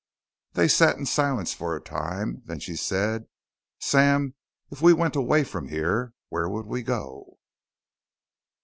They sat in silence for a time. Then she said, "Sam, if we went away from here, where would we go?"